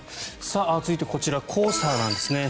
続いてこちら、黄砂ですね。